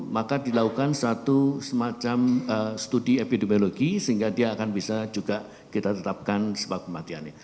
maka dilakukan satu semacam studi epidemiologi sehingga dia akan bisa juga kita tetapkan sebab kematiannya